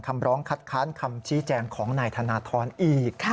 คำร้องคัดค้านคำชี้แจงของนายธนทรอีก